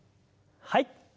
はい。